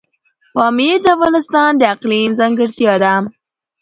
پامیر د افغانستان د اقلیم ځانګړتیا ده.